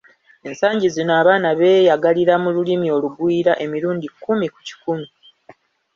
Esangi zino abaana beeyagalira mu lulimi olugwira emirundi kkumi ku kikumi.